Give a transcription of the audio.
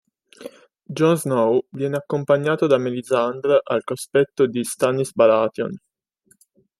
Jon Snow viene accompagnato da Melisandre al cospetto di Stannis Baratheon.